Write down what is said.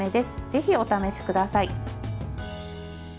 ぜひお試しください。